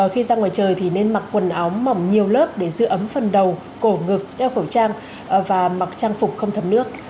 khi ra ngoài trời thì nên mặc quần áo mỏng nhiều lớp để giữ ấm phần đầu cổ ngực đeo khẩu trang và mặc trang phục không thấm nước